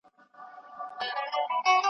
د چا عقل چي انسان غوندي پر لار وي .